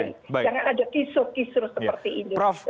jangan ada kisur kisur seperti ini